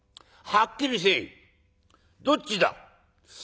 「はっきりせえ！どっちだ？」。